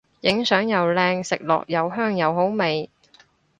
影相又靚食落又香又好味